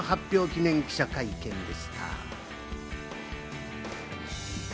記念記者会見でした。